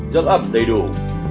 rửa ẩm đầy đủ